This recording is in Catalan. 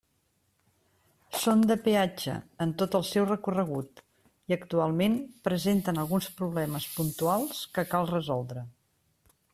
Són de peatge en tot el seu recorregut, i actualment presenten alguns problemes puntuals que cal resoldre.